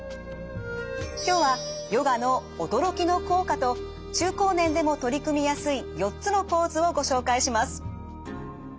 今日はヨガの驚きの効果と中高年でも取り組みやすい４つのポーズをご紹介します。